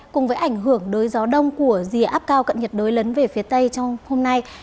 cùng với ảnh hưởng đối gió đông của dìa áp cao cận nhiệt đối lấn về phía tây trong hôm nay